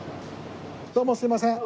どうもすみません。